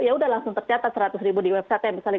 ya sudah langsung ternyata seratus ribu di websitenya